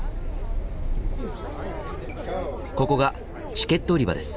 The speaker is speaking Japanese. ここがチケット売り場です。